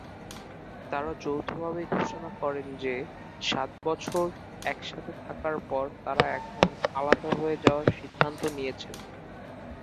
তারা যৌথভাবে ঘোষণা করেন যে, সাত বছর একসাথে থাকার পর তারা এখন আলাদা হয়ে যাওয়ার সিদ্ধান্ত নিয়েছেন।